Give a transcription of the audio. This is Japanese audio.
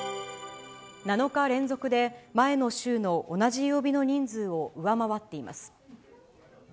７日連続で前の週の同じ曜日の人数を上回っています。